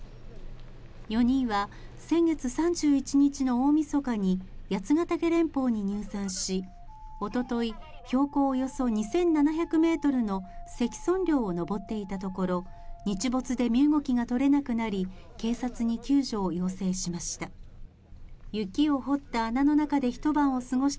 ４人は先月３１日の大みそかに八ヶ岳連峰に入山しおととい、標高およそ２７００ｍの石尊稜を登っていたところ、日没で身動きが取れなくなり、警察に救助を要請しました。